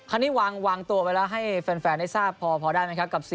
อันนี้วางตัวไว้แล้วให้แฟนได้ทราบพอได้ไหมครับ